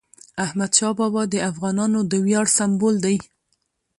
احمدشاه بابا د افغانانو د ویاړ سمبول دی.